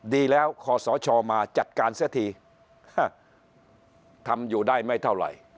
ดีแล้วขอสชมาจัดการเสียทีทำอยู่ได้ไม่เท่าไหร่